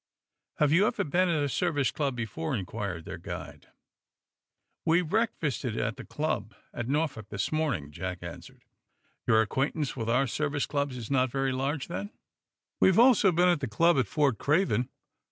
"Have you ever been at a Service Club before?" inquired their guide. "We breakfasted at the club at Norfolk this morning?" Jack answered. "Your acquaintance with our Service clubs is not very large, then?" "We have also been at the club at Fort Craven."